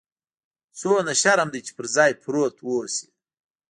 څومره شرم دى چې پر ځاى پروت اوسې.